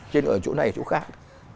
trên chỗ này chỗ khác